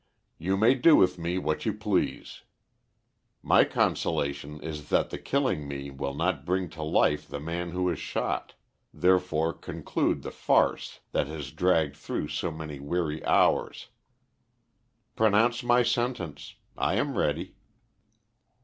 You may do with me what you please. My consolation is that the killing me will not bring to life the man who is shot, therefore conclude the farce that has dragged through so many weary hours. Pronounce my sentence. I am ready."